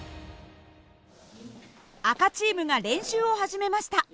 赤チームが練習を始めました。